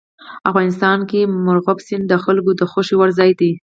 افغانستان کې مورغاب سیند د خلکو د خوښې وړ ځای دی.